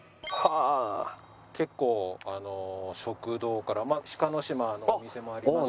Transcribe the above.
結構食堂からまあ志賀島のお店もありますし。